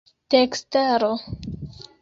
tekstaro